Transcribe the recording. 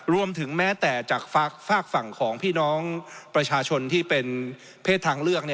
แม้แต่จากฝากฝั่งของพี่น้องประชาชนที่เป็นเพศทางเลือก